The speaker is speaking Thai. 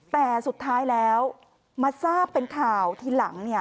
แต่สุดท้ายแล้วมาทราบเป็นข่าวทีหลัง